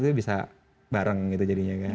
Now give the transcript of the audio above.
itu bisa bareng gitu jadinya kan